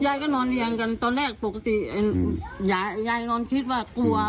ยายก็นอนเรียงกันตอนแรกปกติยายยายนอนคิดว่ากลัว